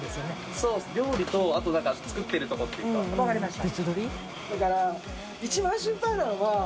そうです料理と△伐燭作ってるところというか分かりました。